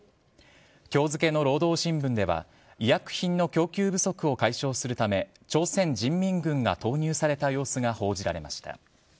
きょう付けの労働新聞では、医薬品の供給不足を解消するため、朝鮮人民軍が投入された様子が報じられました。